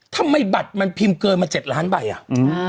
ทำไมบัตรมันพิมพ์เกินมาเจ็ดล้านใบอ่ะอืม